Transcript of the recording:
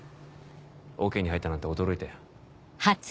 オケに入ったなんて驚いたよ。